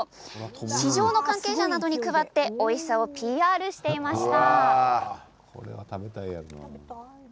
市場の関係者などに配っておいしさをＰＲしていました。